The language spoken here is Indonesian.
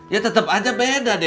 ya tetep aja beda debbie